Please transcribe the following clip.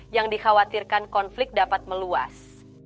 yang dikhawatirkan konflik dapat meluas